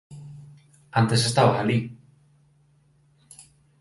Antes estaba alí!”